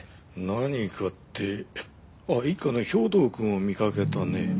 何かってああ一課の兵藤くんを見かけたね。